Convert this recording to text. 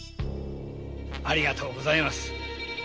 ありがとうございます。